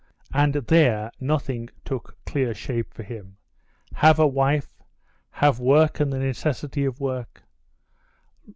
And there nothing took clear shape for him. "Have a wife? Have work and the necessity of work?